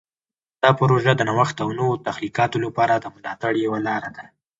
دا پروژه د نوښت او نوو تخلیقاتو لپاره د ملاتړ یوه لاره ده.